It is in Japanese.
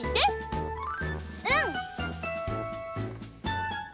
うん。